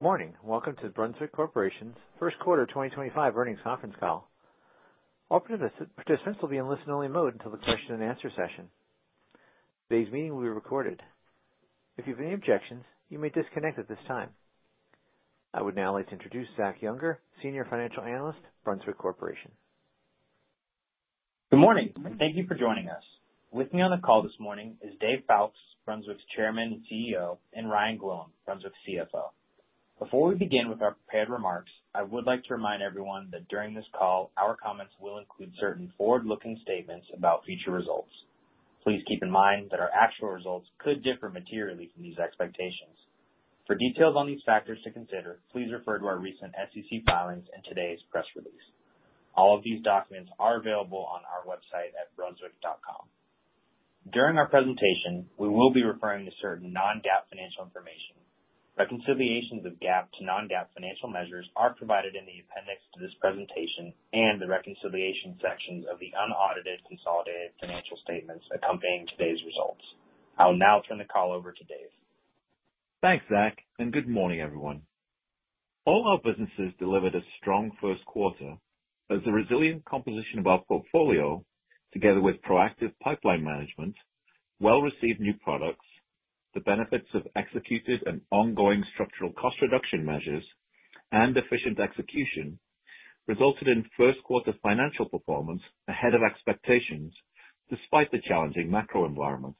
Good morning. Welcome to the Brunswick Corporation's First Quarter 2025 Earnings Conference Call. All participants will be in listen-only mode until the question-and-answer session. Today's meeting will be recorded. If you have any objections, you may disconnect at this time. I would now like to introduce Zach Yunger, Senior Financial Analyst, Brunswick Corporation. Good morning. Thank you for joining us. With me on the call this morning is Dave Foulkes, Brunswick's Chairman and CEO, and Ryan Gwillim, Brunswick's CFO. Before we begin with our prepared remarks, I would like to remind everyone that during this call, our comments will include certain forward-looking statements about future results. Please keep in mind that our actual results could differ materially from these expectations. For details on these factors to consider, please refer to our recent SEC filings and today's press release. All of these documents are available on our website at brunswick.com. During our presentation, we will be referring to certain non-GAAP financial information. Reconciliations of GAAP to non-GAAP financial measures are provided in the appendix to this presentation and the reconciliation sections of the unaudited consolidated financial statements accompanying today's results. I will now turn the call over to Dave. Thanks, Zach, and good morning, everyone. All our businesses delivered a strong first quarter, as the resilient composition of our portfolio, together with proactive pipeline management, well-received new products, the benefits of executed and ongoing structural cost reduction measures, and efficient execution, resulted in first-quarter financial performance ahead of expectations despite the challenging macro environment.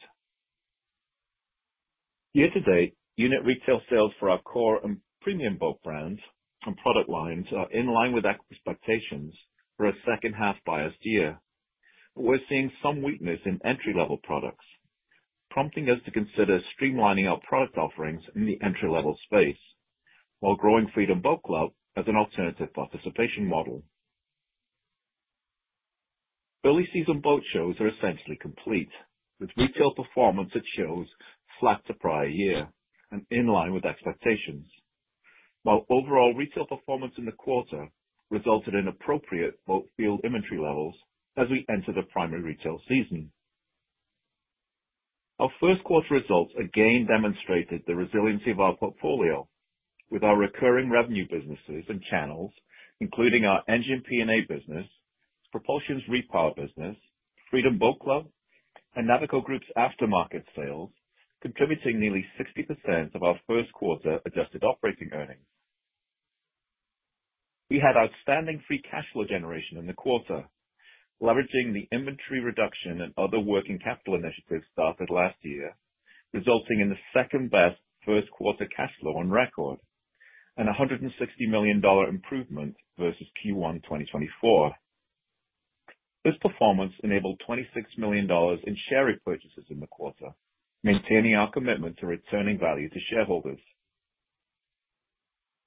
Year-to-date, unit retail sales for our core and premium boat brands and product lines are in line with expectations for a second-half biased year. We're seeing some weakness in entry-level products, prompting us to consider streamlining our product offerings in the entry-level space while growing Freedom Boat Club as an alternative participation model. Early-season boat shows are essentially complete, with retail performance at shows flat to prior year and in line with expectations, while overall retail performance in the quarter resulted in appropriate boat field inventory levels as we enter the primary retail season. Our first-quarter results again demonstrated the resiliency of our portfolio, with our recurring revenue businesses and channels, including our engine P&A business, Propulsion's Repower business, Freedom Boat Club, and Navico Group's aftermarket sales, contributing nearly 60% of our first-quarter adjusted operating earnings. We had outstanding free cash flow generation in the quarter, leveraging the inventory reduction and other working capital initiatives started last year, resulting in the second-best first-quarter cash flow on record and a $160 million improvement versus Q1 2024. This performance enabled $26 million in share repurchases in the quarter, maintaining our commitment to returning value to shareholders.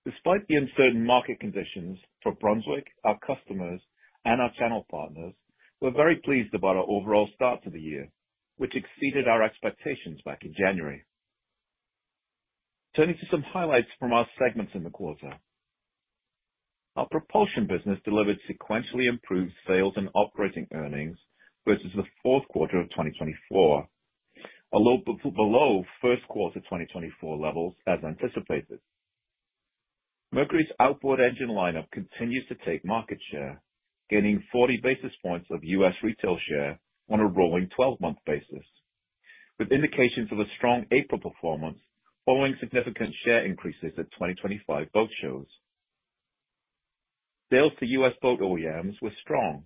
Despite the uncertain market conditions for Brunswick, our customers, and our channel partners, we're very pleased about our overall start to the year, which exceeded our expectations back in January. Turning to some highlights from our segments in the quarter, our propulsion business delivered sequentially improved sales and operating earnings versus the fourth quarter of 2024, a little below first quarter 2024 levels as anticipated. Mercury's outboard engine lineup continues to take market share, gaining 40 basis points of U.S. retail share on a rolling 12-month basis, with indications of a strong April performance following significant share increases at 2025 boat shows. Sales to U.S. boat OEMs were strong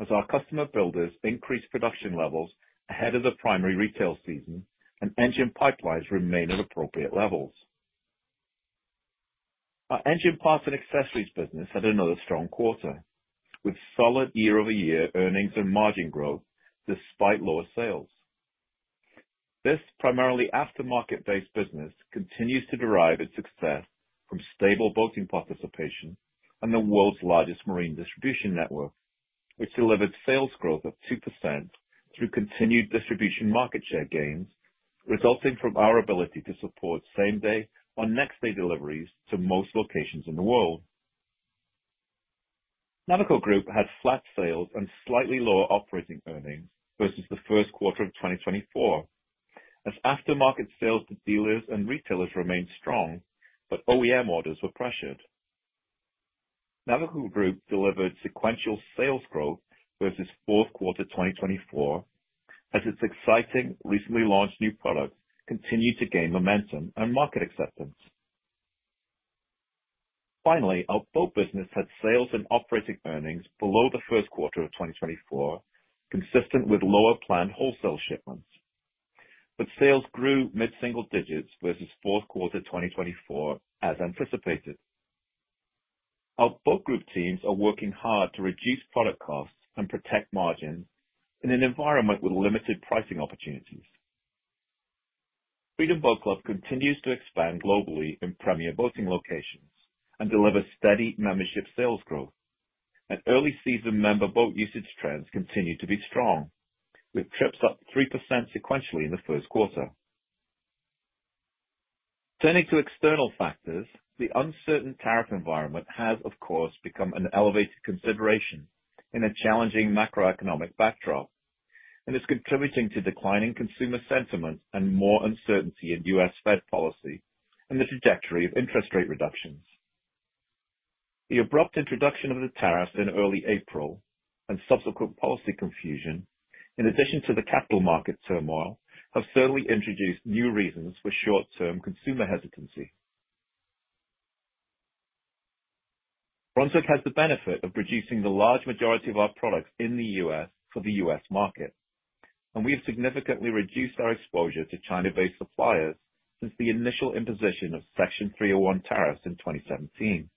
as our customer builders increased production levels ahead of the primary retail season and engine pipelines remained at appropriate levels. Our engine parts and accessories business had another strong quarter, with solid year-over-year earnings and margin growth despite lower sales. This primarily aftermarket-based business continues to derive its success from stable boating participation and the world's largest marine distribution network, which delivered sales growth of 2% through continued distribution market share gains, resulting from our ability to support same-day or next-day deliveries to most locations in the world. Navico Group had flat sales and slightly lower operating earnings versus the first quarter of 2024, as aftermarket sales to dealers and retailers remained strong, but OEM orders were pressured. Navico Group delivered sequential sales growth versus fourth quarter 2024, as its exciting recently launched new products continued to gain momentum and market acceptance. Finally, our boat business had sales and operating earnings below the first quarter of 2024, consistent with lower planned wholesale shipments, but sales grew mid-single digits versus fourth quarter 2024, as anticipated. Our boat group teams are working hard to reduce product costs and protect margins in an environment with limited pricing opportunities. Freedom Boat Club continues to expand globally in premier boating locations and delivers steady membership sales growth, and early-season member boat usage trends continue to be strong, with trips up 3% sequentially in the first quarter. Turning to external factors, the uncertain tariff environment has, of course, become an elevated consideration in a challenging macroeconomic backdrop, and it's contributing to declining consumer sentiment and more uncertainty in U.S. Fed policy and the trajectory of interest rate reductions. The abrupt introduction of the tariffs in early April and subsequent policy confusion, in addition to the capital market turmoil, have certainly introduced new reasons for short-term consumer hesitancy. Brunswick has the benefit of producing the large majority of our products in the U.S. for the U.S. market, and we have significantly reduced our exposure to China-based suppliers since the initial imposition of Section 301 tariffs in 2017.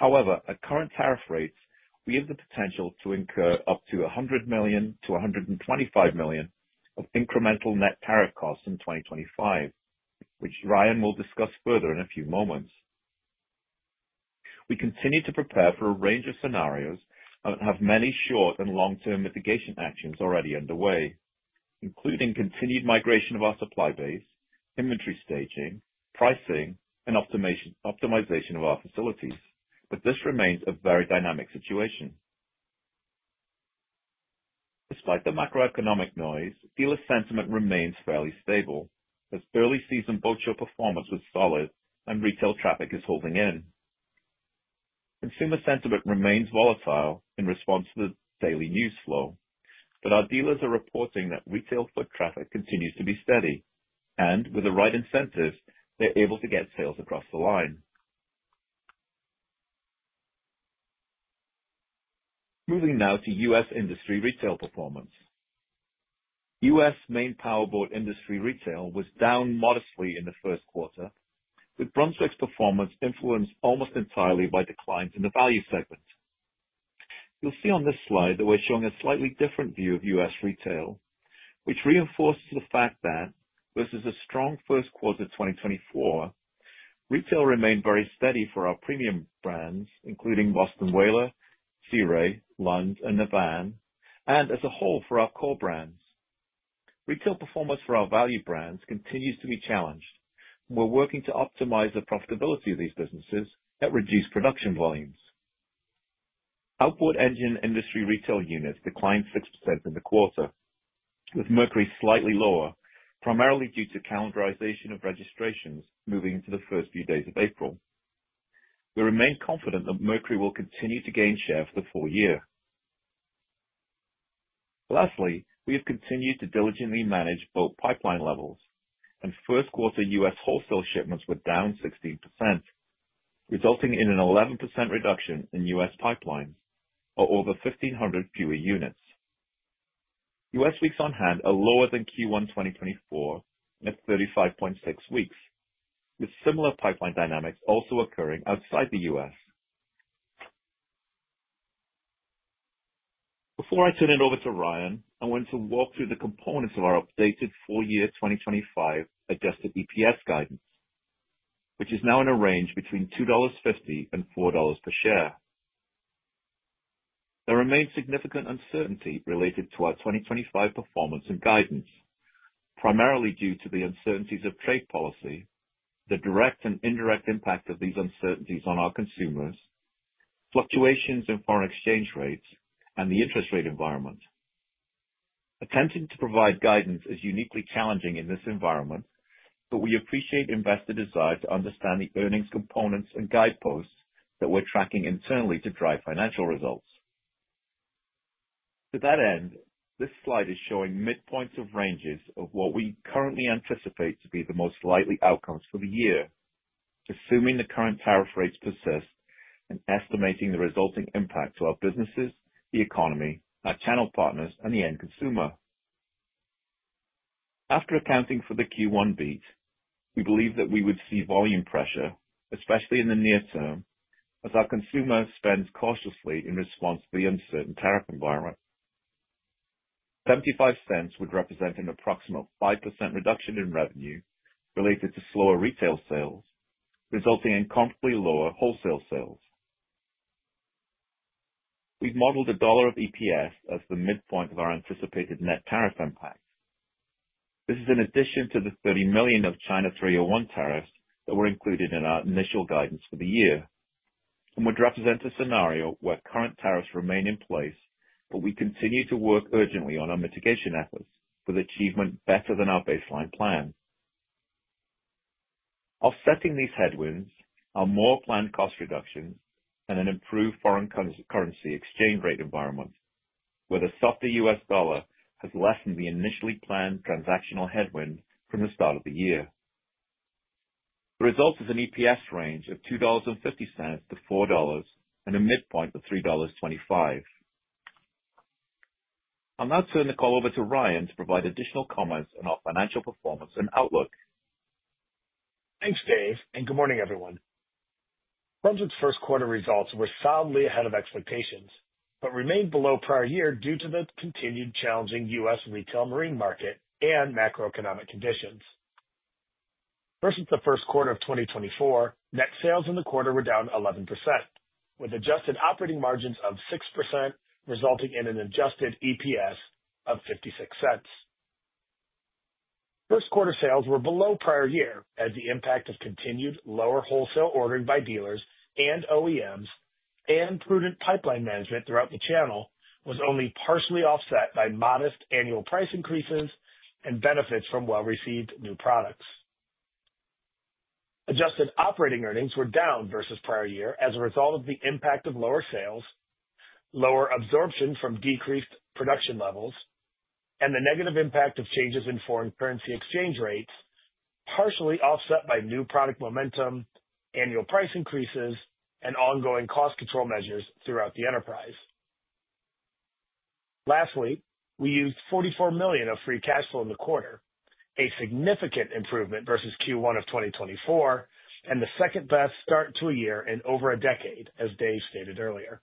However, at current tariff rates, we have the potential to incur up to $100 million-$125 million of incremental net tariff costs in 2025, which Ryan will discuss further in a few moments. We continue to prepare for a range of scenarios and have many short and long-term mitigation actions already underway, including continued migration of our supply base, inventory staging, pricing, and optimization of our facilities, but this remains a very dynamic situation. Despite the macroeconomic noise, dealer sentiment remains fairly stable, as early-season boat show performance was solid and retail traffic is holding in. Consumer sentiment remains volatile in response to the daily news flow, but our dealers are reporting that retail foot traffic continues to be steady, and with the right incentives, they're able to get sales across the line. Moving now to U.S. industry retail performance. U.S. marine powerboat industry retail was down modestly in the first quarter, with Brunswick's performance influenced almost entirely by declines in the value segment. You'll see on this slide that we're showing a slightly different view of U.S. retail, which reinforces the fact that, versus a strong first quarter 2024, retail remained very steady for our premium brands, including Boston Whaler, Sea Ray, Lund, and as a whole for our core brands. Retail performance for our value brands continues to be challenged, and we're working to optimize the profitability of these businesses at reduced production volumes. Outboard engine industry retail units declined 6% in the quarter, with Mercury slightly lower, primarily due to calendarization of registrations moving into the first few days of April. We remain confident that Mercury will continue to gain share for the full year. Lastly, we have continued to diligently manage boat pipeline levels, and first quarter U.S. wholesale shipments were down 16%, resulting in an 11% reduction in U.S. pipelines, or over 1,500 fewer units. U.S. weeks on hand are lower than Q1 2024 at 35.6 weeks, with similar pipeline dynamics also occurring outside the U.S. Before I turn it over to Ryan, I want to walk through the components of our updated four-year 2025 adjusted EPS guidance, which is now in a range between $2.50 and $4 per share. There remains significant uncertainty related to our 2025 performance and guidance, primarily due to the uncertainties of trade policy, the direct and indirect impact of these uncertainties on our consumers, fluctuations in foreign exchange rates, and the interest rate environment. Attempting to provide guidance is uniquely challenging in this environment, but we appreciate investor desire to understand the earnings components and guideposts that we're tracking internally to drive financial results. To that end, this slide is showing midpoints of ranges of what we currently anticipate to be the most likely outcomes for the year, assuming the current tariff rates persist and estimating the resulting impact to our businesses, the economy, our channel partners, and the end consumer. After accounting for the Q1 beat, we believe that we would see volume pressure, especially in the near term, as our consumer spends cautiously in response to the uncertain tariff environment. $0.75 would represent an approximate 5% reduction in revenue related to slower retail sales, resulting in comparably lower wholesale sales. We've modeled a dollar of EPS as the midpoint of our anticipated net tariff impact. This is in addition to the $30 million of China 301 tariffs that were included in our initial guidance for the year, and would represent a scenario where current tariffs remain in place, but we continue to work urgently on our mitigation efforts with achievement better than our baseline plan. Offsetting these headwinds are more planned cost reductions and an improved foreign currency exchange rate environment, where the softer U.S. dollar has lessened the initially planned transactional headwind from the start of the year. The result is an EPS range of $2.50-$4 and a midpoint of $3.25. I'll now turn the call over to Ryan to provide additional comments on our financial performance and outlook. Thanks, Dave, and good morning, everyone. Brunswick's first quarter results were solidly ahead of expectations but remained below prior year due to the continued challenging U.S. retail marine market and macroeconomic conditions. Versus the first quarter of 2024, net sales in the quarter were down 11%, with adjusted operating margins of 6%, resulting in an adjusted EPS of $0.56. First quarter sales were below prior year as the impact of continued lower wholesale ordering by dealers and OEMs and prudent pipeline management throughout the channel was only partially offset by modest annual price increases and benefits from well-received new products. Adjusted operating earnings were down versus prior year as a result of the impact of lower sales, lower absorption from decreased production levels, and the negative impact of changes in foreign currency exchange rates, partially offset by new product momentum, annual price increases, and ongoing cost control measures throughout the enterprise. Lastly, we used $44 million of free cash flow in the quarter, a significant improvement versus Q1 of 2024 and the second-best start to a year in over a decade, as Dave stated earlier.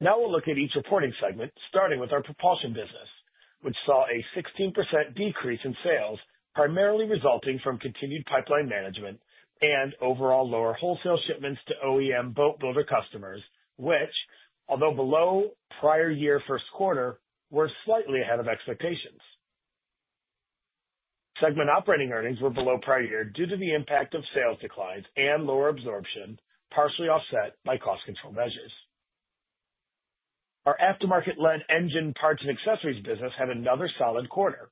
Now we'll look at each reporting segment, starting with our propulsion business, which saw a 16% decrease in sales, primarily resulting from continued pipeline management and overall lower wholesale shipments to OEM boat builder customers, which, although below prior year first quarter, were slightly ahead of expectations. Segment operating earnings were below prior year due to the impact of sales declines and lower absorption, partially offset by cost control measures. Our aftermarket-led engine parts and accessories business had another solid quarter,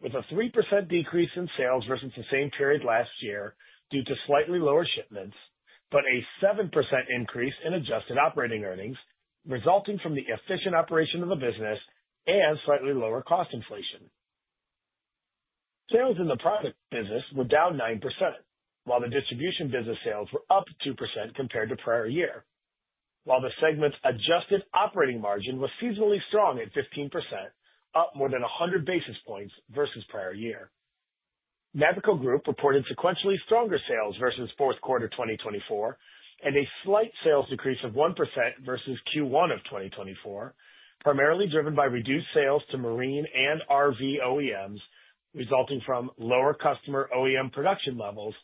with a 3% decrease in sales versus the same period last year due to slightly lower shipments, but a 7% increase in adjusted operating earnings resulting from the efficient operation of the business and slightly lower cost inflation. Sales in the product business were down 9%, while the distribution business sales were up 2% compared to prior year. While the segment's adjusted operating margin was seasonally strong at 15%, up more than 100 basis points versus prior year. Navico Group reported sequentially stronger sales versus fourth quarter 2024 and a slight sales decrease of 1% versus Q1 of 2024, primarily driven by reduced sales to marine and RV OEMs resulting from lower customer OEM production levels,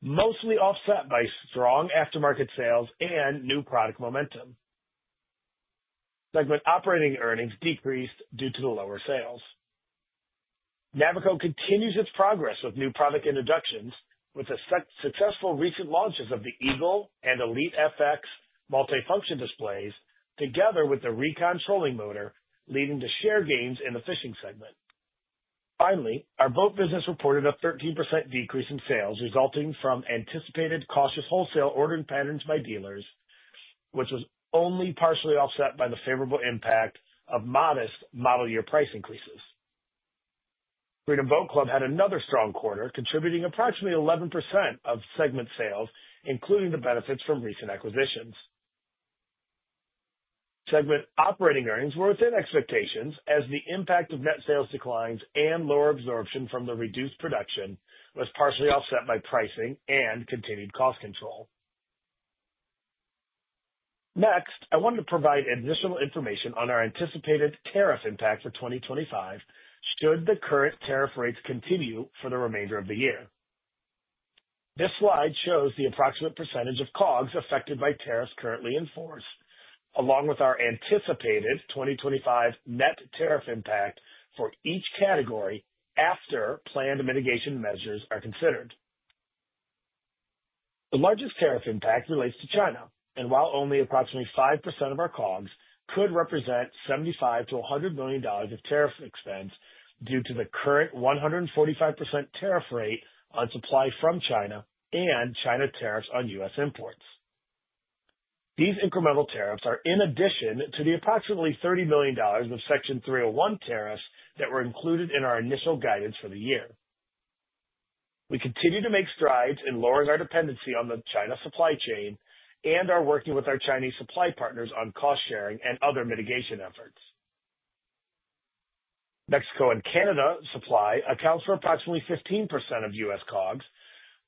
mostly offset by strong aftermarket sales and new product momentum. Segment operating earnings decreased due to the lower sales. Navico continues its progress with new product introductions, with the successful recent launches of the Eagle and Elite FS multifunction displays, together with the Recon Trolling Motor, leading to share gains in the fishing segment. Finally, our boat business reported a 13% decrease in sales resulting from anticipated cautious wholesale ordering patterns by dealers, which was only partially offset by the favorable impact of modest model year price increases. Freedom Boat Club had another strong quarter, contributing approximately 11% of segment sales, including the benefits from recent acquisitions. Segment operating earnings were within expectations, as the impact of net sales declines and lower absorption from the reduced production was partially offset by pricing and continued cost control. Next, I wanted to provide additional information on our anticipated tariff impact for 2025 should the current tariff rates continue for the remainder of the year. This slide shows the approximate percentage of COGS affected by tariffs currently in force, along with our anticipated 2025 net tariff impact for each category after planned mitigation measures are considered. The largest tariff impact relates to China, and while only approximately 5% of our COGS could represent $75-$100 million of tariff expense due to the current 145% tariff rate on supply from China and China tariffs on US imports. These incremental tariffs are in addition to the approximately $30 million of Section 301 tariffs that were included in our initial guidance for the year. We continue to make strides in lowering our dependency on the China supply chain and are working with our Chinese supply partners on cost sharing and other mitigation efforts. Mexico and Canada supply accounts for approximately 15% of U.S. COGS,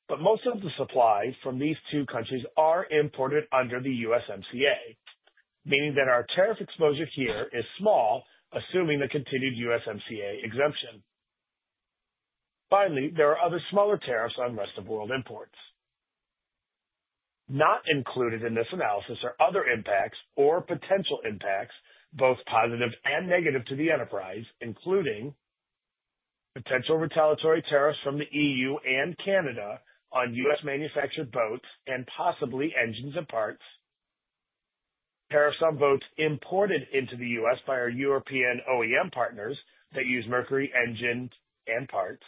but most of the supply from these two countries are imported under the USMCA, meaning that our tariff exposure here is small, assuming the continued USMCA exemption. Finally, there are other smaller tariffs on rest of world imports. Not included in this analysis are other impacts or potential impacts, both positive and negative, to the enterprise, including potential retaliatory tariffs from the EU and Canada on U.S.-manufactured boats and possibly engines and parts, tariffs on boats imported into the U.S. by our European OEM partners that use Mercury engines and parts,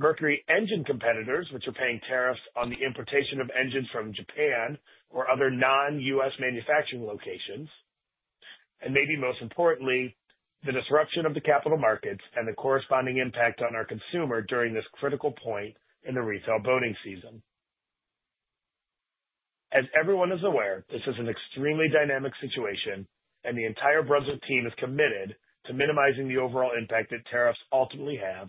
Mercury engine competitors which are paying tariffs on the importation of engines from Japan or other non-U.S. manufacturing locations, and maybe most importantly, the disruption of the capital markets and the corresponding impact on our consumer during this critical point in the retail boating season. As everyone is aware, this is an extremely dynamic situation, and the entire Brunswick team is committed to minimizing the overall impact that tariffs ultimately have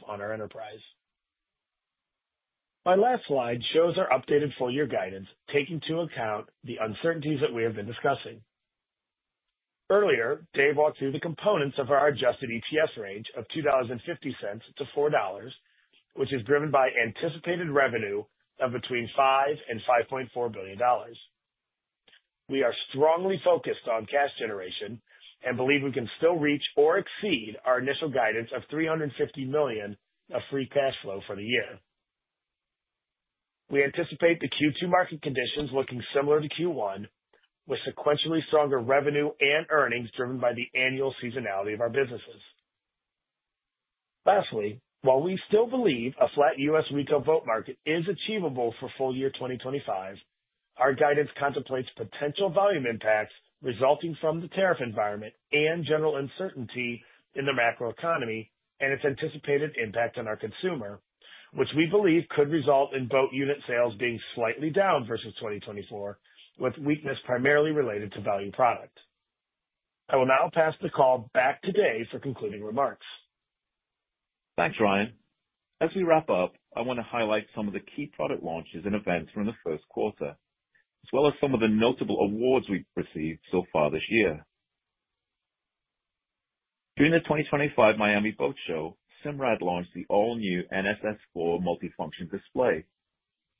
on our enterprise. My last slide shows our updated four-year guidance, taking into account the uncertainties that we have been discussing. Earlier, Dave walked through the components of our adjusted EPS range of $2.50-$4, which is driven by anticipated revenue of between $5 billion and $5.4 billion. We are strongly focused on cash generation and believe we can still reach or exceed our initial guidance of $350 million of free cash flow for the year. We anticipate the Q2 market conditions looking similar to Q1, with sequentially stronger revenue and earnings driven by the annual seasonality of our businesses. Lastly, while we still believe a flat U.S. retail boat market is achievable for full year 2025, our guidance contemplates potential volume impacts resulting from the tariff environment and general uncertainty in the macroeconomy and its anticipated impact on our consumer, which we believe could result in boat unit sales being slightly down versus 2024, with weakness primarily related to value product. I will now pass the call back to Dave for concluding remarks. Thanks, Ryan. As we wrap up, I want to highlight some of the key product launches and events from the first quarter, as well as some of the notable awards we've received so far this year. During the 2025 Miami Boat Show, Simrad launched the all-new NSS 4 multifunction display,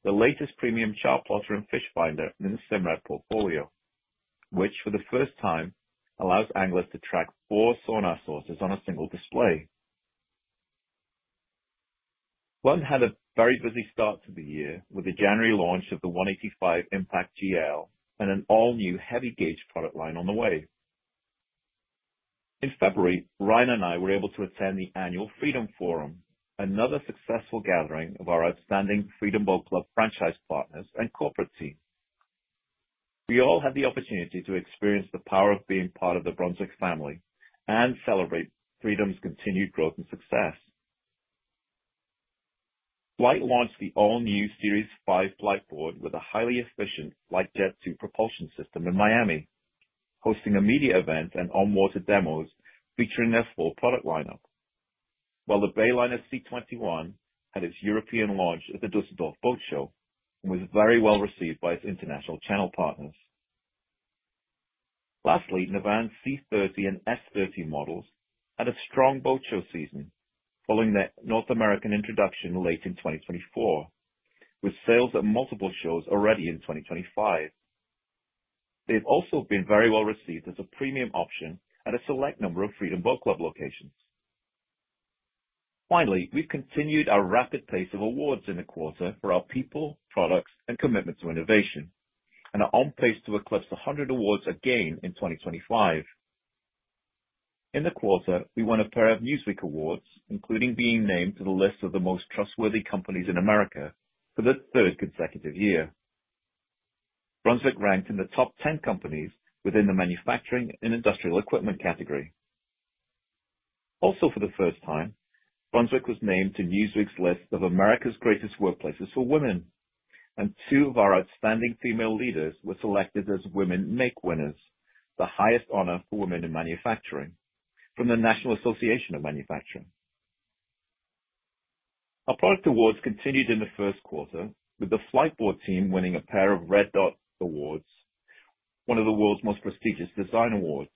the latest premium chartplotter and fishfinder in the Simrad portfolio, which for the first time allows anglers to track four sonar sources on a single display. Brunswick had a very busy start to the year with the January launch of the Lund 185 Impact GL and an all-new heavy gauge product line on the way. In February, Ryan and I were able to attend the annual Freedom Forum, another successful gathering of our outstanding Freedom Boat Club franchise partners and corporate team. We all had the opportunity to experience the power of being part of the Brunswick family and celebrate Freedom's continued growth and success. flight launched the all-new Series 5 flightboard with a highly efficient flight Jet 2 propulsion system in Miami, hosting a media event and on-water demos featuring their full product lineup, while the Bayliner C21 had its European launch at the Düsseldorf Boat Show and was very well received by its international channel partners. Lastly, Navan C30 and S30 models had a strong boat show season following their North American introduction late in 2024, with sales at multiple shows already in 2025. They've also been very well received as a premium option at a select number of Freedom Boat Club locations. Finally, we've continued our rapid pace of awards in the quarter for our people, products, and commitment to innovation, and are on pace to eclipse 100 awards again in 2025. In the quarter, we won a pair of Newsweek awards, including being named to the list of the most trustworthy companies in America for the third consecutive year. Brunswick ranked in the top 10 companies within the manufacturing and industrial equipment category. Also, for the first time, Brunswick was named to Newsweek's list of America's Greatest Workplaces for Women, and two of our outstanding female leaders were selected as Women MAKE Winners, the highest honor for women in manufacturing, from the National Association of Manufacturers. Our product awards continued in the first quarter, with the flightboard team winning a pair of Red Dot Awards, one of the world's most prestigious design awards,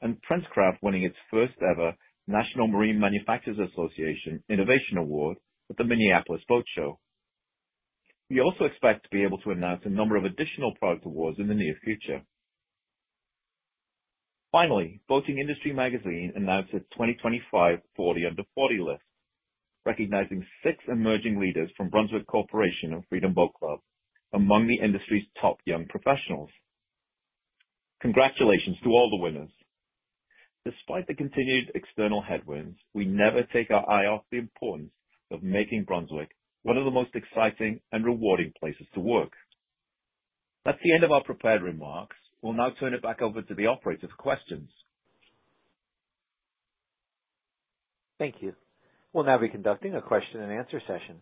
and Princecraft winning its first-ever National Marine Manufacturers Association Innovation Award at the Minneapolis Boat Show. We also expect to be able to announce a number of additional product awards in the near future. Finally, Boating Industry Magazine announced its 2025 40 Under 40 list, recognizing six emerging leaders from Brunswick Corporation and Freedom Boat Club among the industry's top young professionals. Congratulations to all the winners. Despite the continued external headwinds, we never take our eye off the importance of making Brunswick one of the most exciting and rewarding places to work. That is the end of our prepared remarks. We will now turn it back over to the operators for questions. Thank you. We'll now be conducting a question-and-answer session.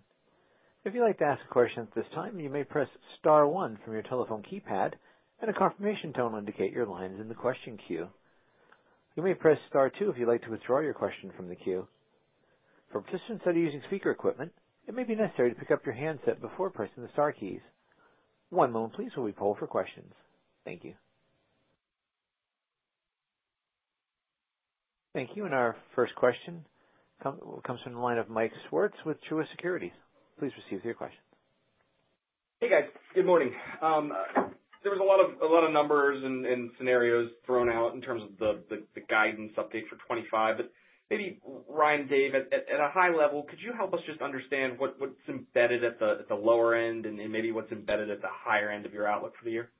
If you'd like to ask a question at this time, you may press star one from your telephone keypad, and a confirmation tone will indicate your line is in the question queue. You may press star two if you'd like to withdraw your question from the queue. For participants that are using speaker equipment, it may be necessary to pick up your handset before pressing the star keys. One moment, please, while we poll for questions. Thank you. Thank you. Our first question comes from the line of Mike Swartz with Truist Securities. Please proceed with your questions. Hey, guys. Good morning. There was a lot of numbers and scenarios thrown out in terms of the guidance update for 2025. Maybe, Ryan and Dave, at a high level, could you help us just understand what's embedded at the lower end and maybe what's embedded at the higher end of your outlook for the year?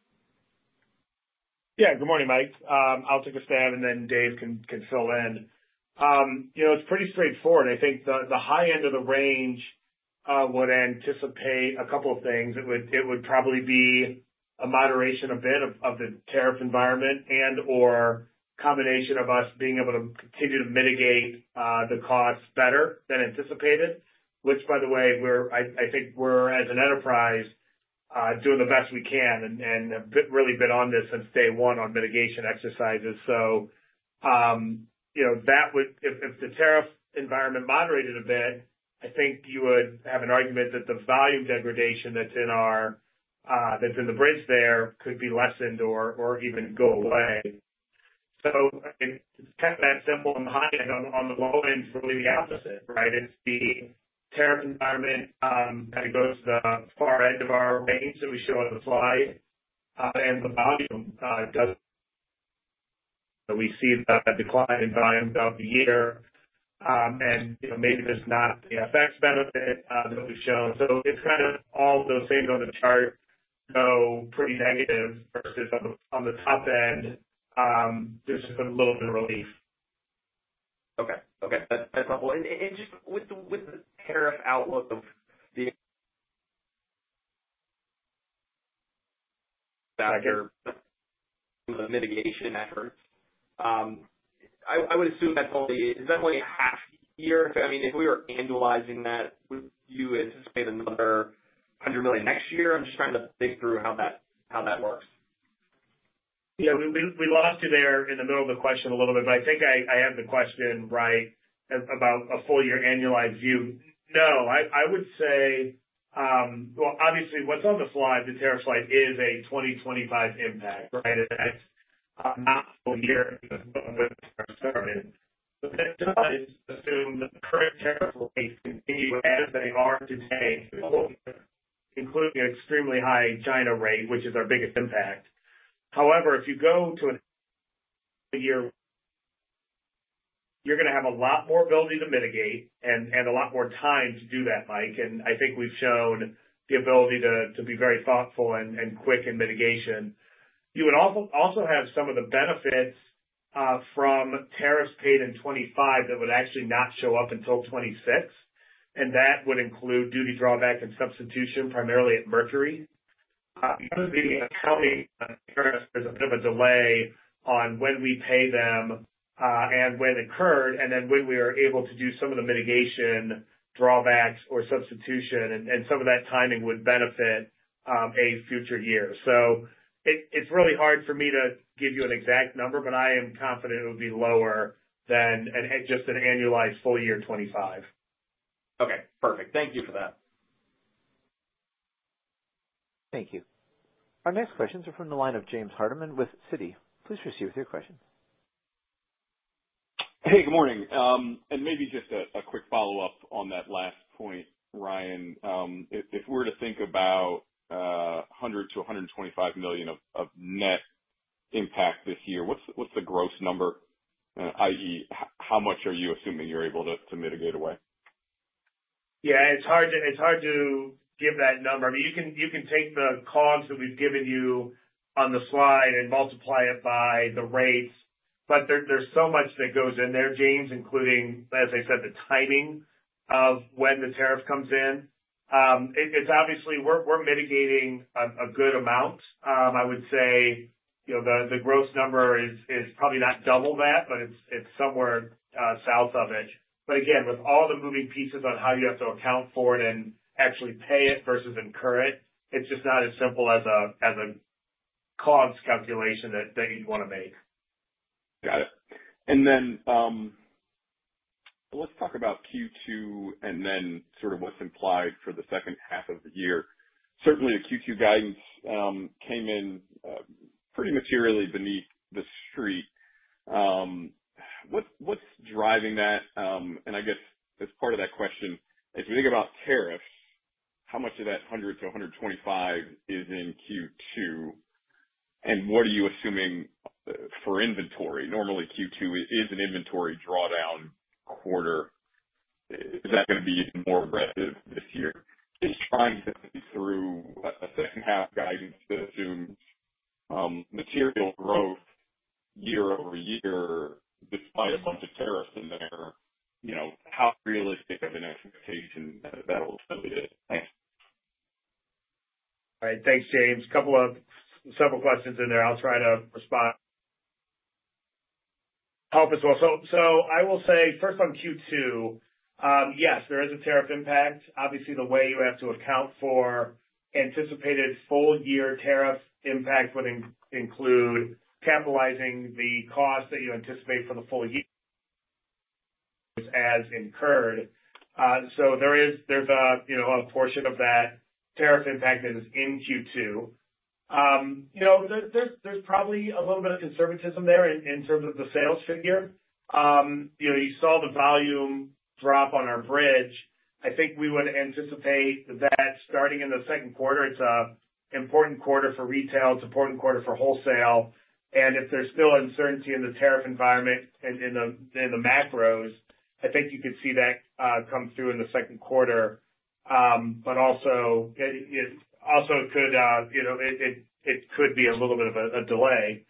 Yeah. Good morning, Mike. I'll take a stab, and then Dave can fill in. It's pretty straightforward. I think the high end of the range would anticipate a couple of things. It would probably be a moderation a bit of the tariff environment and/or a combination of us being able to continue to mitigate the costs better than anticipated, which, by the way, I think we're, as an enterprise, doing the best we can and have really been on this since day one on mitigation exercises. If the tariff environment moderated a bit, I think you would have an argument that the volume degradation that's in the bridge there could be lessened or even go away. It's kind of that simple and high end. On the low end, it's really the opposite, right? It's the tariff environment that goes to the far end of our range that we show on the slide, and the volume doesn't. We see the decline in volume throughout the year, and maybe there's not the effects benefit that we've shown. It's kind of all of those things on the chart go pretty negative versus on the top end, just a little bit of relief. Okay. Okay. That's helpful. Just with the tariff outlook of the mitigation efforts, I would assume that's only half a year. I mean, if we were annualizing that, would you anticipate another $100 million next year? I'm just trying to think through how that works. Yeah. We lost you there in the middle of the question a little bit, but I think I have the question right about a full-year annualized view. No. I would say, obviously, what's on the slide, the tariff slide, is a 2025 impact, right? And that's not the full year with tariffs started. [audio distotion] including an extremely high China rate, which is our biggest impact. However, if you go to a full year, you're going to have a lot more ability to mitigate and a lot more time to do that, Mike. I think we've shown the ability to be very thoughtful and quick in mitigation. You would also have some of the benefits from tariffs paid in 2025 that would actually not show up until 2026, and that would include duty drawback and substitution primarily at Mercury. Because of the accounting tariffs, there's a bit of a delay on when we pay them and when it occurred, and then when we are able to do some of the mitigation drawbacks or substitution, and some of that timing would benefit a future year. It is really hard for me to give you an exact number, but I am confident it would be lower than just an annualized full year 2025. Okay. Perfect. Thank you for that. Thank you. Our next questions are from the line of James Hardiman with Citi. Please proceed with your question. Hey, good morning. Maybe just a quick follow-up on that last point, Ryan. If we were to think about $100 million-$125 million of net impact this year, what's the gross number, i.e., how much are you assuming you're able to mitigate away? Yeah. It's hard to give that number. I mean, you can take the columns that we've given you on the slide and multiply it by the rates, but there's so much that goes in there, James, including, as I said, the timing of when the tariff comes in. Obviously, we're mitigating a good amount. I would say the gross number is probably not double that, but it's somewhere south of it. Again, with all the moving pieces on how you have to account for it and actually pay it versus incur it, it's just not as simple as a columns calculation that you'd want to make. Got it. Let's talk about Q2 and then sort of what's implied for the second half of the year. Certainly, the Q2 guidance came in pretty materially beneath the street. What's driving that? I guess as part of that question, as we think about tariffs, how much of that $100 million-$125 million is in Q2, and what are you assuming for inventory? Normally, Q2 is an inventory drawdown quarter. Is that going to be even more aggressive this year? Just trying to think through a second-half guidance that assumes material growth year over year despite a bunch of tariffs in there, how realistic of an expectation that will still be? Thanks. All right. Thanks, James. A couple of simple questions in there. I'll try to help as well. I will say, first, on Q2, yes, there is a tariff impact. Obviously, the way you have to account for anticipated full-year tariff impact would include capitalizing the cost that you anticipate for the full year as incurred. There is a portion of that tariff impact that is in Q2. There is probably a little bit of conservatism there in terms of the sales figure. You saw the volume drop on our bridge. I think we would anticipate that starting in the second quarter, it is an important quarter for retail. It is an important quarter for wholesale. If there is still uncertainty in the tariff environment and in the macros, I think you could see that come through in the second quarter. It could also be a little bit of a delay.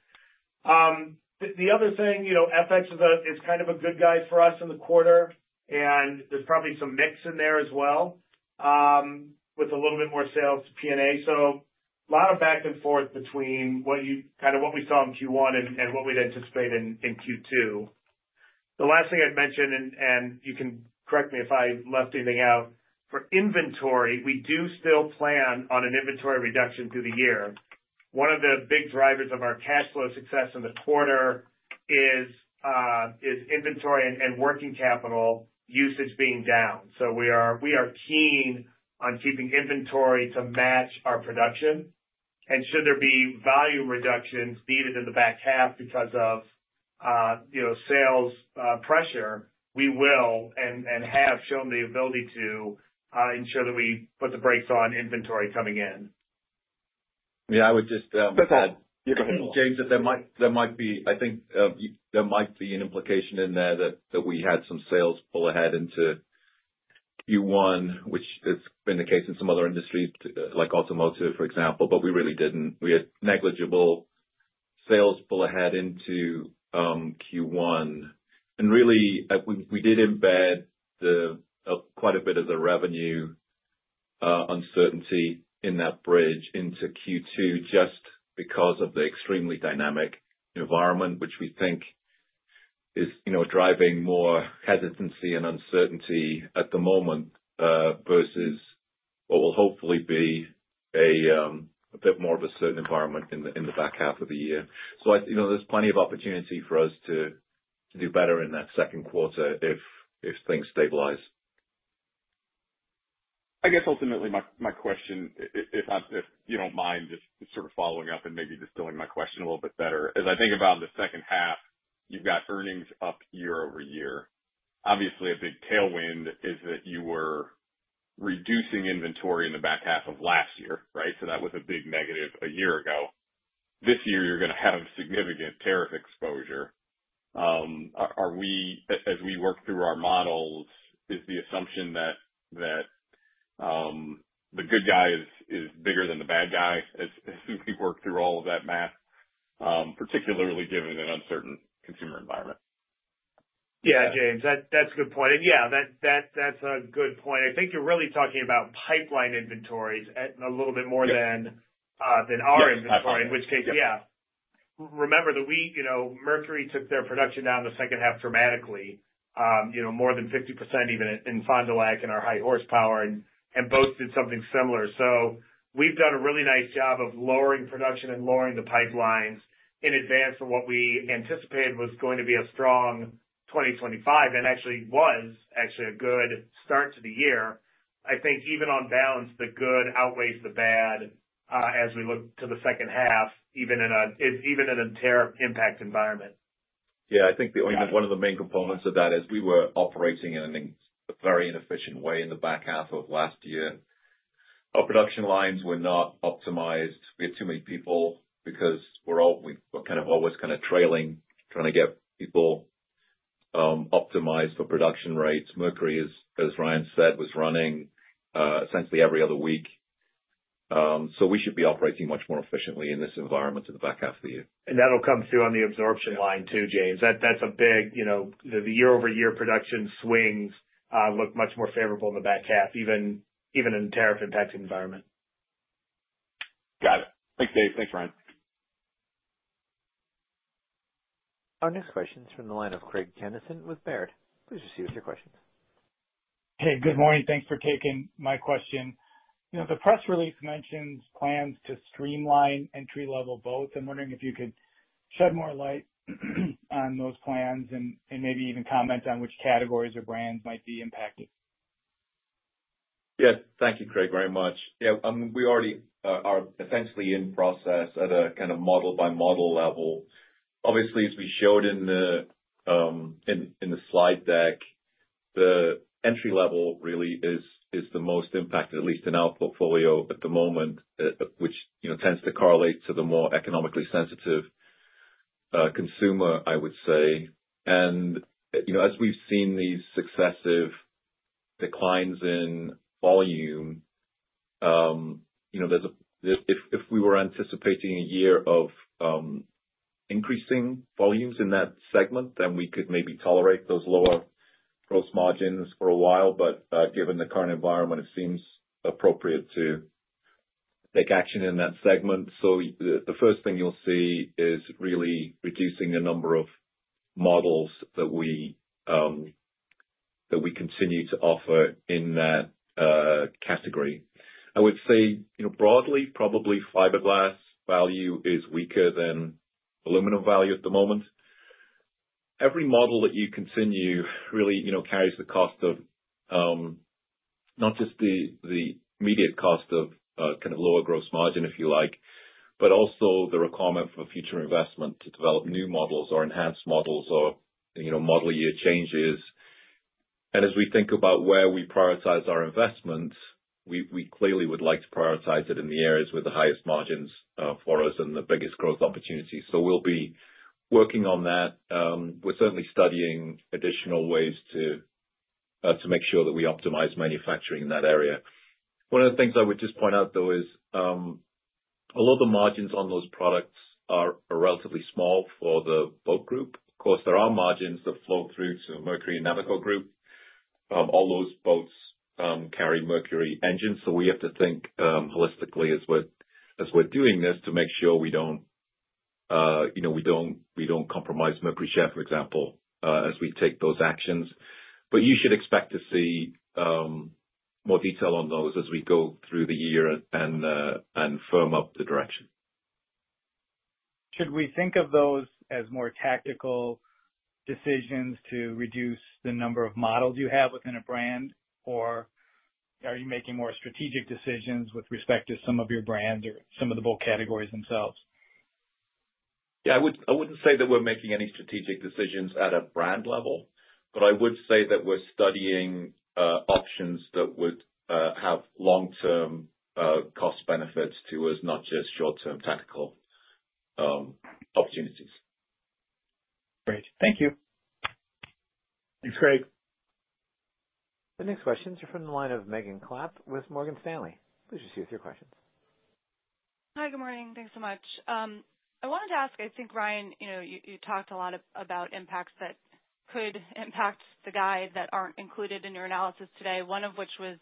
The other thing, FX is kind of a good guide for us in the quarter, and there's probably some mix in there as well with a little bit more sales to P&A. A lot of back and forth between kind of what we saw in Q1 and what we'd anticipate in Q2. The last thing I'd mention, and you can correct me if I left anything out, for inventory, we do still plan on an inventory reduction through the year. One of the big drivers of our cash flow success in the quarter is inventory and working capital usage being down. We are keen on keeping inventory to match our production. Should there be volume reductions needed in the back half because of sales pressure, we will and have shown the ability to ensure that we put the brakes on inventory coming in. Yeah. I would just add. Go ahead. Yeah. Go ahead. James, that there might be—I think there might be an implication in there that we had some sales pull ahead into Q1, which has been the case in some other industries, like automotive, for example, but we really did not. We had negligible sales pull ahead into Q1. We did embed quite a bit of the revenue uncertainty in that bridge into Q2 just because of the extremely dynamic environment, which we think is driving more hesitancy and uncertainty at the moment versus what will hopefully be a bit more of a certain environment in the back half of the year. There is plenty of opportunity for us to do better in that second quarter if things stabilize. I guess ultimately, my question, if you do not mind just sort of following up and maybe distilling my question a little bit better, as I think about the second half, you have got earnings up year over year. Obviously, a big tailwind is that you were reducing inventory in the back half of last year, right? That was a big negative a year ago. This year, you are going to have significant tariff exposure. As we work through our models, is the assumption that the good guy is bigger than the bad guy as we work through all of that math, particularly given an uncertain consumer environment? Yeah, James. That's a good point. I think you're really talking about pipeline inventories a little bit more than our inventory, in which case, yeah. Remember that Mercury took their production down the second half dramatically, more than 50% even in Fond du Lac and our high horsepower, and Boats did something similar. We've done a really nice job of lowering production and lowering the pipelines in advance of what we anticipated was going to be a strong 2025, and actually was actually a good start to the year. I think even on balance, the good outweighs the bad as we look to the second half, even in a tariff impact environment. Yeah. I think one of the main components of that is we were operating in a very inefficient way in the back half of last year. Our production lines were not optimized. We had too many people because we were kind of always trailing, trying to get people optimized for production rates. Mercury, as Ryan said, was running essentially every other week. We should be operating much more efficiently in this environment in the back half of the year. That'll come through on the absorption line too, James. That's a big—the year-over-year production swings look much more favorable in the back half, even in a tariff-impact environment. Got it. Thanks, Dave. Thanks, Ryan. Our next question is from the line of Craig Kennison with Baird. Please proceed with your questions. Hey, good morning. Thanks for taking my question. The press release mentions plans to streamline entry-level boats. I'm wondering if you could shed more light on those plans and maybe even comment on which categories or brands might be impacted. Yeah. Thank you, Craig, very much. Yeah. We already are essentially in process at a kind of model-by-model level. Obviously, as we showed in the slide deck, the entry-level really is the most impacted, at least in our portfolio at the moment, which tends to correlate to the more economically sensitive consumer, I would say. As we've seen these successive declines in volume, if we were anticipating a year of increasing volumes in that segment, we could maybe tolerate those lower gross margins for a while. Given the current environment, it seems appropriate to take action in that segment. The first thing you'll see is really reducing the number of models that we continue to offer in that category. I would say broadly, probably fiberglass value is weaker than aluminum value at the moment. Every model that you continue really carries the cost of not just the immediate cost of kind of lower gross margin, if you like, but also the requirement for future investment to develop new models or enhanced models or model year changes. As we think about where we prioritize our investments, we clearly would like to prioritize it in the areas with the highest margins for us and the biggest growth opportunities. We will be working on that. We are certainly studying additional ways to make sure that we optimize manufacturing in that area. One of the things I would just point out, though, is a lot of the margins on those products are relatively small for the boat group. Of course, there are margins that flow through to Mercury and Navico Group. All those boats carry Mercury engines. We have to think holistically as we're doing this to make sure we don't compromise Mercury share, for example, as we take those actions. You should expect to see more detail on those as we go through the year and firm up the direction. Should we think of those as more tactical decisions to reduce the number of models you have within a brand, or are you making more strategic decisions with respect to some of your brands or some of the boat categories themselves? Yeah. I wouldn't say that we're making any strategic decisions at a brand level, but I would say that we're studying options that would have long-term cost benefits to us, not just short-term tactical opportunities. Great. Thank you. Thanks, Craig. The next questions are from the line of Megan Clapp with Morgan Stanley. Please proceed with your questions. Hi. Good morning. Thanks so much. I wanted to ask, I think, Ryan, you talked a lot about impacts that could impact the guide that are not included in your analysis today, one of which was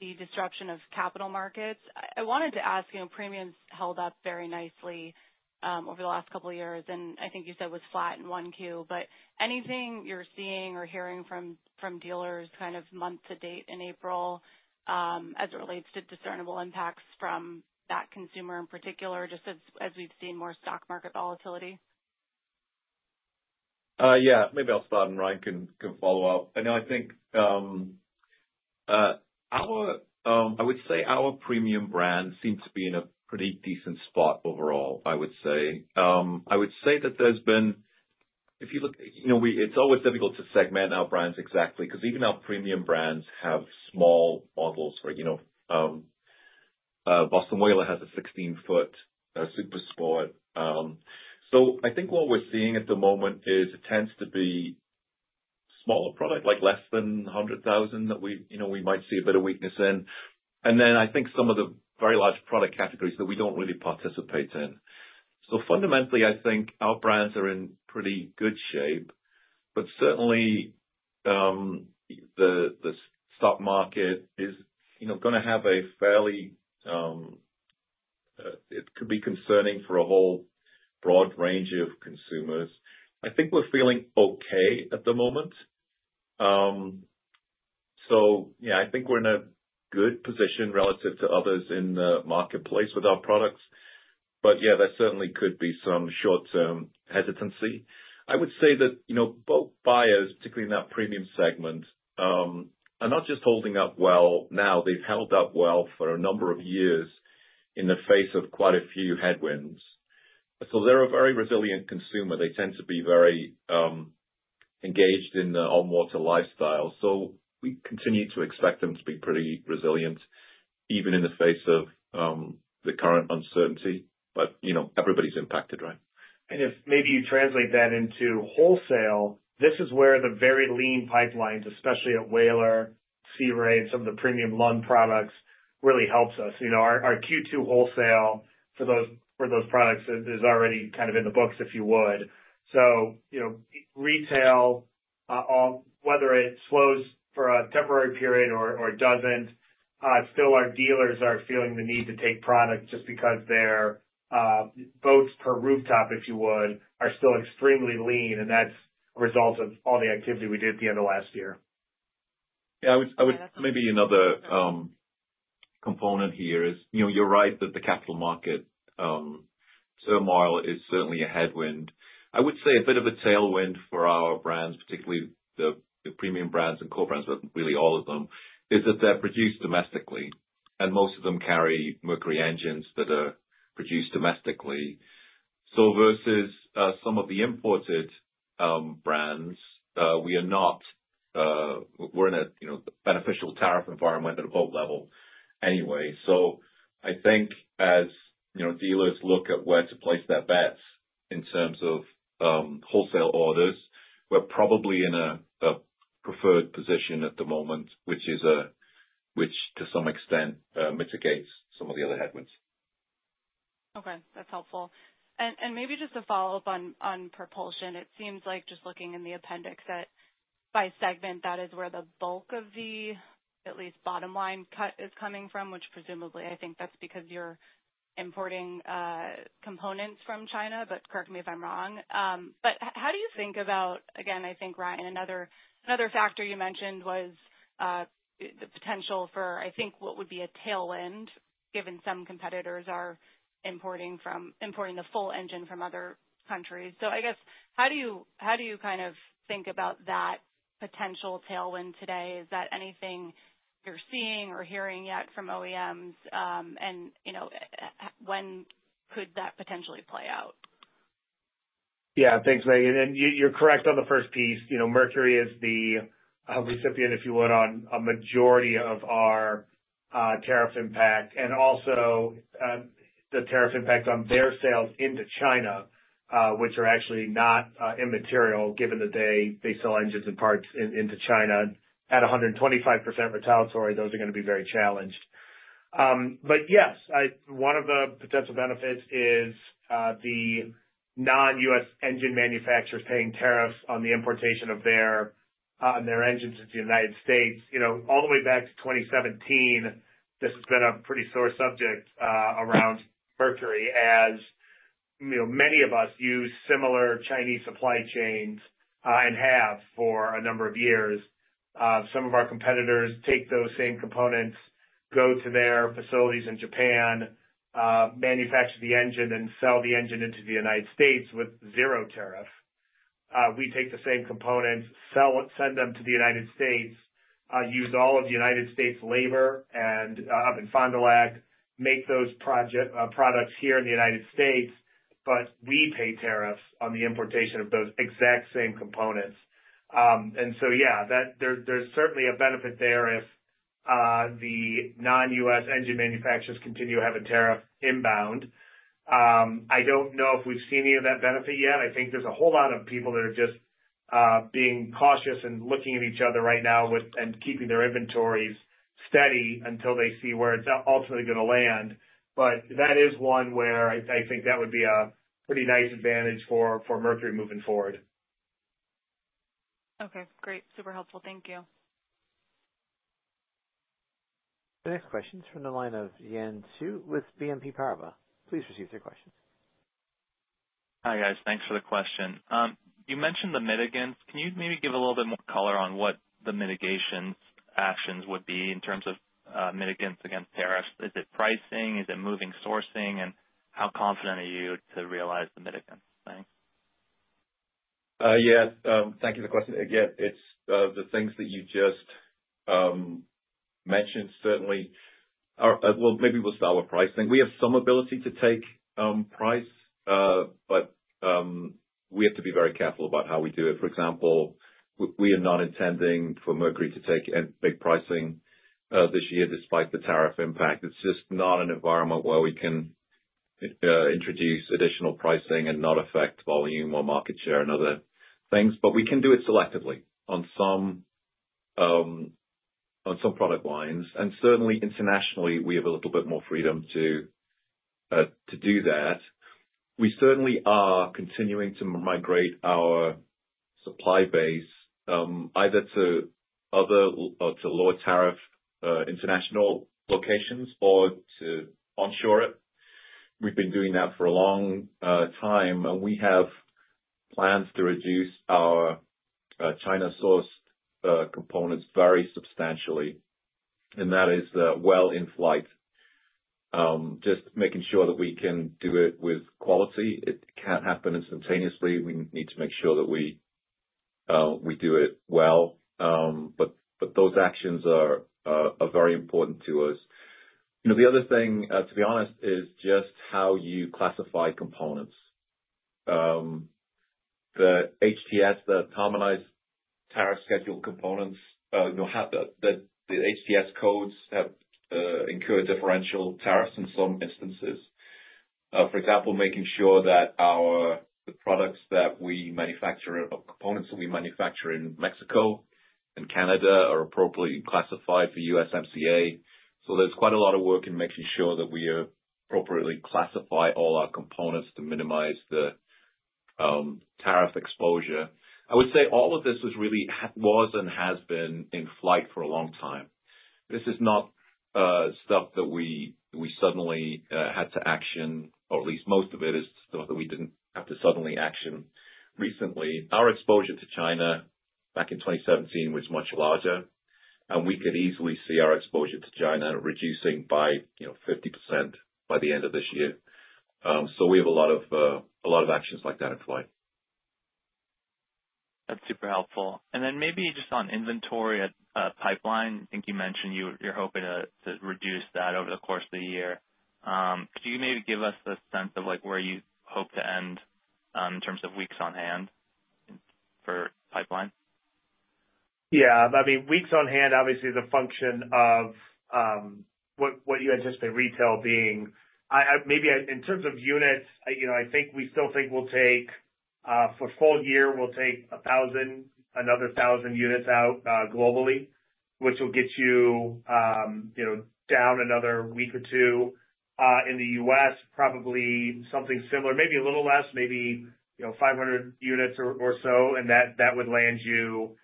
the disruption of capital markets. I wanted to ask, premiums held up very nicely over the last couple of years, and I think you said was flat in 1Q. Anything you are seeing or hearing from dealers kind of month to date in April as it relates to discernible impacts from that consumer in particular, just as we have seen more stock market volatility? Yeah. Maybe I'll start, and Ryan can follow up. I think I would say our premium brand seems to be in a pretty decent spot overall, I would say. I would say that there's been—if you look—it's always difficult to segment our brands exactly because even our premium brands have small models. For example, Boston Whaler has a 16-foot Super Sport. I think what we're seeing at the moment is it tends to be smaller products, like less than $100,000, that we might see a bit of weakness in. I think some of the very large product categories that we do not really participate in. Fundamentally, I think our brands are in pretty good shape. Certainly, the stock market is going to have a fairly—it could be concerning for a whole broad range of consumers. I think we're feeling okay at the moment. Yeah, I think we're in a good position relative to others in the marketplace with our products. Yeah, there certainly could be some short-term hesitancy. I would say that boat buyers, particularly in that premium segment, are not just holding up well now. They've held up well for a number of years in the face of quite a few headwinds. They're a very resilient consumer. They tend to be very engaged in the on-water lifestyle. We continue to expect them to be pretty resilient even in the face of the current uncertainty. Everybody's impacted, right? If maybe you translate that into wholesale, this is where the very lean pipelines, especially at Boston Whaler, Sea Ray, and some of the premium Lund products, really helps us. Our Q2 wholesale for those products is already kind of in the books, if you would. Retail, whether it slows for a temporary period or does not, still our dealers are feeling the need to take product just because their boats per rooftop, if you would, are still extremely lean. That is a result of all the activity we did at the end of last year. Yeah. I would say maybe another component here is you're right that the capital market turmoil is certainly a headwind. I would say a bit of a tailwind for our brands, particularly the premium brands and core brands, but really all of them, is that they're produced domestically, and most of them carry Mercury engines that are produced domestically. Versus some of the imported brands, we are not—we're in a beneficial tariff environment at a boat level anyway. I think as dealers look at where to place their bets in terms of wholesale orders, we're probably in a preferred position at the moment, which to some extent mitigates some of the other headwinds. Okay. That's helpful. Maybe just to follow up on propulsion, it seems like just looking in the appendix that by segment, that is where the bulk of the, at least bottom line, cut is coming from, which presumably I think that's because you're importing components from China. Correct me if I'm wrong. How do you think about—again, I think, Ryan, another factor you mentioned was the potential for, I think, what would be a tailwind given some competitors are importing the full engine from other countries. I guess how do you kind of think about that potential tailwind today? Is that anything you're seeing or hearing yet from OEMs? When could that potentially play out? Yeah. Thanks, Megan. And you're correct on the first piece. Mercury is the recipient, if you would, on a majority of our tariff impact and also the tariff impact on their sales into China, which are actually not immaterial given that they sell engines and parts into China at 125% retaliatory. Those are going to be very challenged. Yes, one of the potential benefits is the non-U.S. engine manufacturers paying tariffs on the importation of their engines into the United States. All the way back to 2017, this has been a pretty sore subject around Mercury as many of us use similar Chinese supply chains and have for a number of years. Some of our competitors take those same components, go to their facilities in Japan, manufacture the engine, and sell the engine into the United States with zero tariff. We take the same components, send them to the United States, use all of the United States labor up in Fond du Lac, make those products here in the United States, but we pay tariffs on the importation of those exact same components. Yeah, there's certainly a benefit there if the non-U.S. engine manufacturers continue to have a tariff inbound. I don't know if we've seen any of that benefit yet. I think there's a whole lot of people that are just being cautious and looking at each other right now and keeping their inventories steady until they see where it's ultimately going to land. That is one where I think that would be a pretty nice advantage for Mercury moving forward. Okay. Great. Super helpful. Thank you. The next question is from the line of Xian Siew with BNP Paribas. Please proceed with your questions. Hi guys. Thanks for the question. You mentioned the mitigants. Can you maybe give a little bit more color on what the mitigation actions would be in terms of mitigants against tariffs? Is it pricing? Is it moving sourcing? How confident are you to realize the mitigants? Thanks. Yeah. Thank you for the question. Again, it's the things that you just mentioned certainly. Maybe we'll start with pricing. We have some ability to take price, but we have to be very careful about how we do it. For example, we are not intending for Mercury to take big pricing this year despite the tariff impact. It's just not an environment where we can introduce additional pricing and not affect volume or market share and other things. We can do it selectively on some product lines. Certainly, internationally, we have a little bit more freedom to do that. We certainly are continuing to migrate our supply base either to other or to lower tariff international locations or to onshore it. We've been doing that for a long time, and we have plans to reduce our China-sourced components very substantially. That is well in flight. Just making sure that we can do it with quality. It can't happen instantaneously. We need to make sure that we do it well. Those actions are very important to us. The other thing, to be honest, is just how you classify components. The HTS, the Harmonized Tariff Schedule components, the HTS codes have incurred differential tariffs in some instances. For example, making sure that the products that we manufacture and the components that we manufacture in Mexico and Canada are appropriately classified for USMCA. There is quite a lot of work in making sure that we appropriately classify all our components to minimize the tariff exposure. I would say all of this really was and has been in flight for a long time. This is not stuff that we suddenly had to action, or at least most of it is stuff that we did not have to suddenly action recently. Our exposure to China back in 2017 was much larger, and we could easily see our exposure to China reducing by 50% by the end of this year. We have a lot of actions like that in flight. That's super helpful. Maybe just on inventory pipeline, I think you mentioned you're hoping to reduce that over the course of the year. Could you maybe give us a sense of where you hope to end in terms of weeks on hand for pipeline? Yeah. I mean, weeks on hand, obviously, is a function of what you anticipate retail being. Maybe in terms of units, I think we still think we'll take for full year, we'll take 1,000, another 1,000 units out globally, which will get you down another week or two. In the U.S., probably something similar, maybe a little less, maybe 500 units or so. That would land you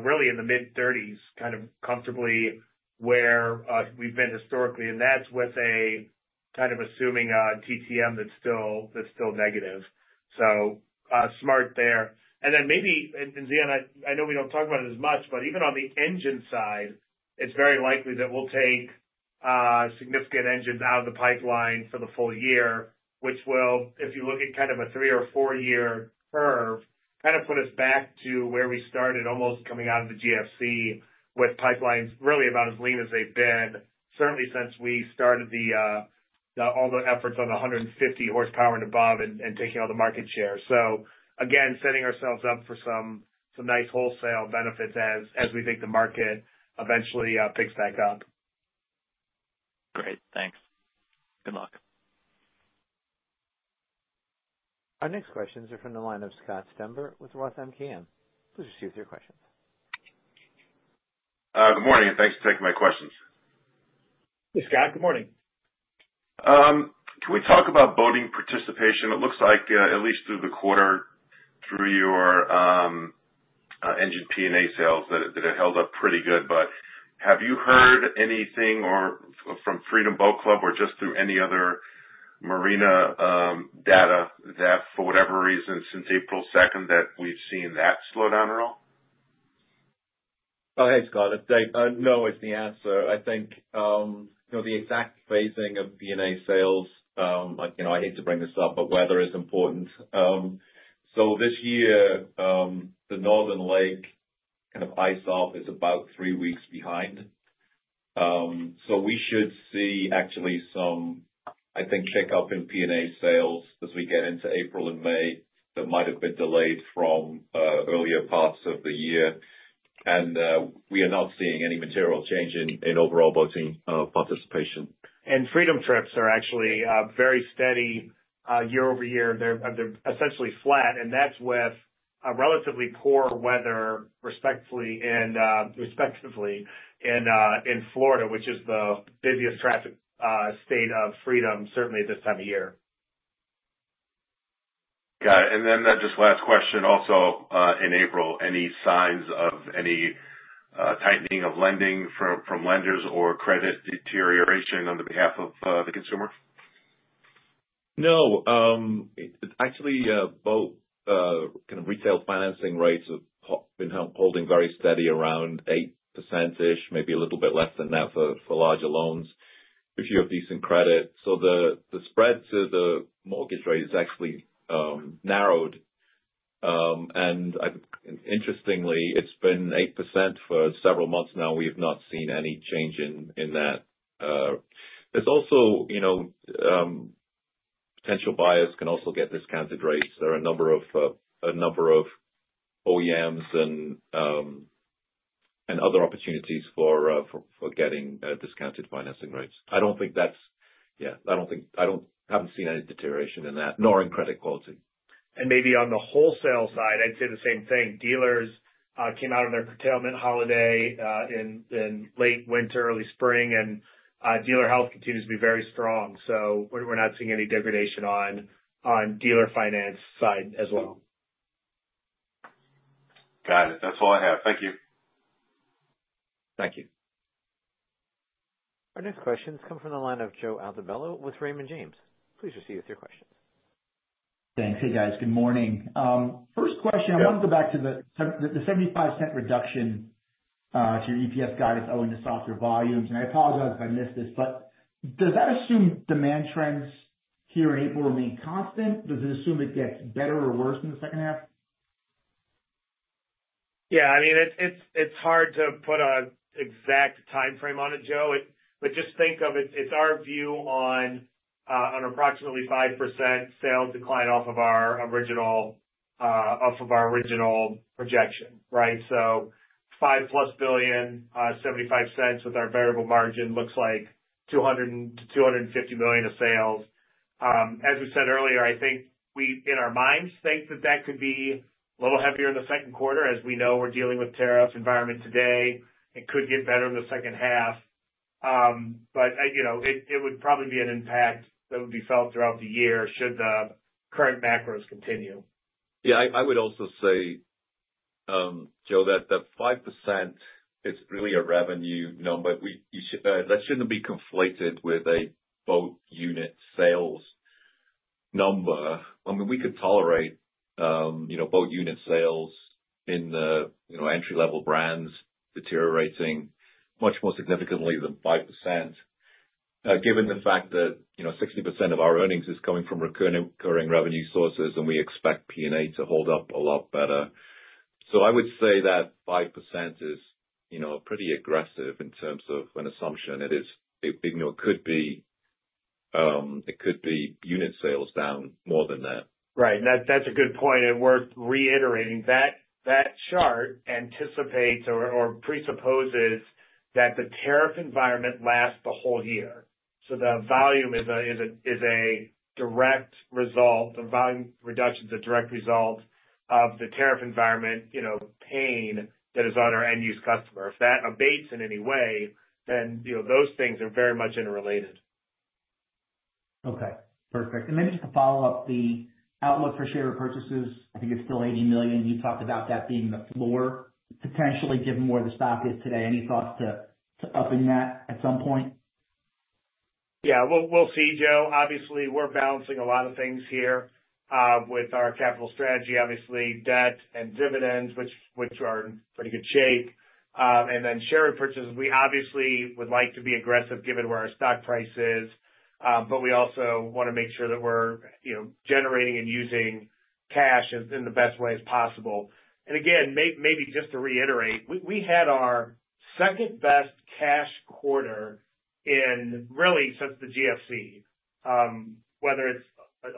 really in the mid-30s kind of comfortably where we've been historically. That is with a kind of assuming TTM that's still negative. Smart there. Maybe, and Xian, I know we do not talk about it as much, but even on the engine side, it is very likely that we will take significant engines out of the pipeline for the full year, which will, if you look at kind of a three or four-year curve, kind of put us back to where we started, almost coming out of the GFC with pipelines really about as lean as they have been, certainly since we started all the efforts on 150 horsepower and above and taking all the market share. Again, setting ourselves up for some nice wholesale benefits as we think the market eventually picks back up. Great. Thanks. Good luck. Our next questions are from the line of Scott Stember with Roth MKM. Please proceed with your questions. Good morning, and thanks for taking my questions. Hey, Scott. Good morning. Can we talk about boating participation? It looks like, at least through the quarter, through your engine P&A sales, that it held up pretty good. Have you heard anything from Freedom Boat Club or just through any other marina data that, for whatever reason, since April 2nd, that we've seen that slow down at all? Oh, hey, Scott. No, is the answer. I think the exact phasing of P&A sales, I hate to bring this up, but weather is important. This year, the northern lake kind of ice-off is about three weeks behind. We should see actually some, I think, pickup in P&A sales as we get into April and May that might have been delayed from earlier parts of the year. We are not seeing any material change in overall boating participation. Freedom trips are actually very steady year-over-year. They're essentially flat. And that's with relatively poor weather, respectively, in Florida, which is the busiest traffic state of Freedom, certainly at this time of year. Got it. Just last question also, in April, any signs of any tightening of lending from lenders or credit deterioration on the behalf of the consumer? No. Actually, boat kind of retail financing rates have been holding very steady around 8%-ish, maybe a little bit less than that for larger loans, if you have decent credit. So the spread to the mortgage rate has actually narrowed. Interestingly, it has been 8% for several months now. We have not seen any change in that. Potential buyers can also get discounted rates. There are a number of OEMs and other opportunities for getting discounted financing rates. I do not think that is—yeah, I do not think—I have not seen any deterioration in that, nor in credit quality. Maybe on the wholesale side, I'd say the same thing. Dealers came out of their curtailment holiday in late winter, early spring, and dealer health continues to be very strong. We're not seeing any degradation on dealer finance side as well. Got it. That's all I have. Thank you. Thank you. Our next question has come from the line of Joe Altobello with Raymond James. Please proceed with your questions. Thanks. Hey, guys. Good morning. First question, I want to go back to the $0.75 reduction to your EPS guidance owing to softer volumes. I apologize if I missed this, but does that assume demand trends here in April remain constant? Does it assume it gets better or worse in the second half? Yeah. I mean, it's hard to put an exact timeframe on it, Joe. But just think of it as our view on approximately 5% sales decline off of our original projection, right? So $5+ billion, $0.75 with our variable margin looks like $200-$250 million of sales. As we said earlier, I think we, in our minds, think that that could be a little heavier in the second quarter as we know we're dealing with a tariff environment today. It could get better in the second half. It would probably be an impact that would be felt throughout the year should the current macros continue. Yeah. I would also say, Joe, that the 5% is really a revenue number. That should not be conflated with a boat unit sales number. I mean, we could tolerate boat unit sales in entry-level brands deteriorating much more significantly than 5%, given the fact that 60% of our earnings is coming from recurring revenue sources, and we expect P&A to hold up a lot better. I would say that 5% is pretty aggressive in terms of an assumption. It could be unit sales down more than that. Right. That is a good point. It is worth reiterating, that chart anticipates or presupposes that the tariff environment lasts the whole year. The volume is a direct result. The volume reduction is a direct result of the tariff environment pain that is on our end-use customer. If that abates in any way, then those things are very much interrelated. Okay. Perfect. Maybe just to follow up, the outlook for share repurchases, I think it's still $80 million. You talked about that being the floor, potentially, given where the stock is today. Any thoughts to upping that at some point? Yeah. We'll see, Joe. Obviously, we're balancing a lot of things here with our capital strategy, obviously, debt and dividends, which are in pretty good shape. Then share repurchases, we obviously would like to be aggressive given where our stock price is. We also want to make sure that we're generating and using cash in the best way as possible. Again, maybe just to reiterate, we had our second-best cash quarter in really since the GFC, whether it's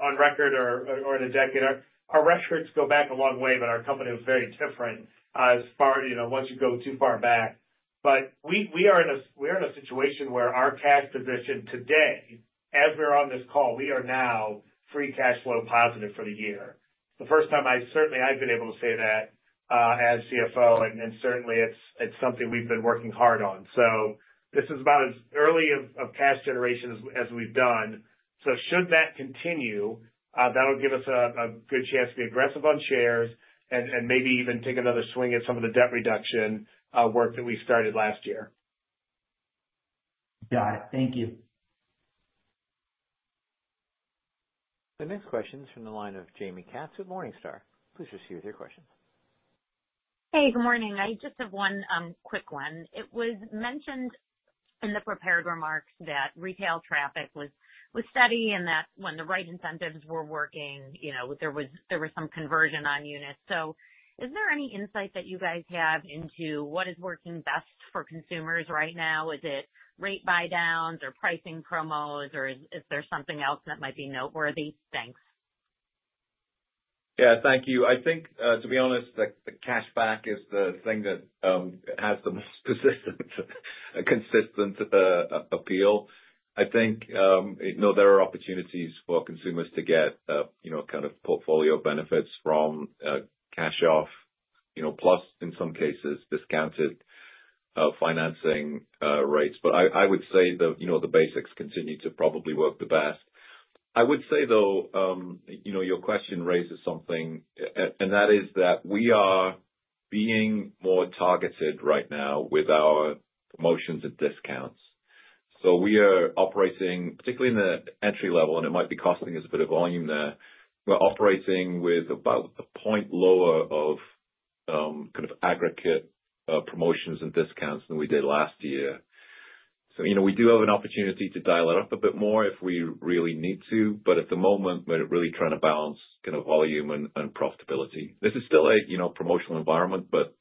on record or in a decade. Our records go back a long way, but our company was very different as far as once you go too far back. We are in a situation where our cash position today, as we're on this call, we are now free cash flow positive for the year. The first time I've certainly been able to say that as CFO, and certainly, it's something we've been working hard on. This is about as early of cash generation as we've done. Should that continue, that'll give us a good chance to be aggressive on shares and maybe even take another swing at some of the debt reduction work that we started last year. Got it. Thank you. The next question is from the line of Jaime Katz with Morningstar. Please proceed with your questions. Hey, good morning. I just have one quick one. It was mentioned in the prepared remarks that retail traffic was steady and that when the right incentives were working, there was some conversion on units. Is there any insight that you guys have into what is working best for consumers right now? Is it rate buy-downs or pricing promos, or is there something else that might be noteworthy? Thanks. Yeah. Thank you. I think, to be honest, the cash back is the thing that has the most consistent appeal. I think there are opportunities for consumers to get kind of portfolio benefits from cash off, plus in some cases, discounted financing rates. I would say the basics continue to probably work the best. I would say, though, your question raises something, and that is that we are being more targeted right now with our promotions and discounts. We are operating, particularly in the entry level, and it might be costing us a bit of volume there, we're operating with about a point lower of kind of aggregate promotions and discounts than we did last year. We do have an opportunity to dial it up a bit more if we really need to. At the moment, we're really trying to balance kind of volume and profitability. This is still a promotional environment, but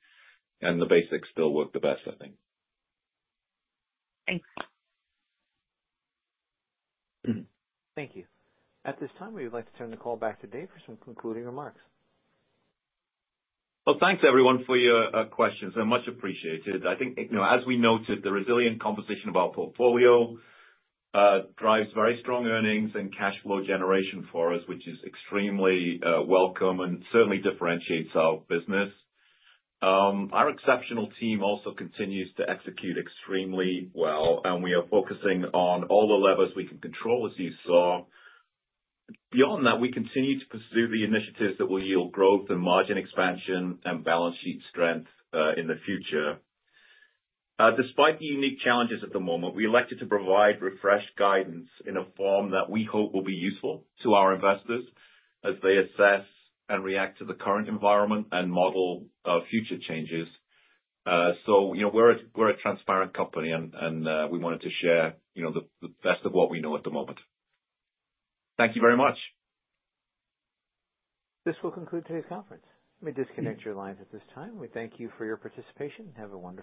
the basics still work the best, I think. Thanks. Thank you. At this time, we would like to turn the call back to Dave for some concluding remarks. Thanks, everyone, for your questions. They're much appreciated. I think, as we noted, the resilient composition of our portfolio drives very strong earnings and cash flow generation for us, which is extremely welcome and certainly differentiates our business. Our exceptional team also continues to execute extremely well, and we are focusing on all the levers we can control, as you saw. Beyond that, we continue to pursue the initiatives that will yield growth and margin expansion and balance sheet strength in the future. Despite the unique challenges at the moment, we elected to provide refreshed guidance in a form that we hope will be useful to our investors as they assess and react to the current environment and model future changes. We are a transparent company, and we wanted to share the best of what we know at the moment. Thank you very much. This will conclude today's conference. We disconnect your lines at this time. We thank you for your participation. Have a wonderful day.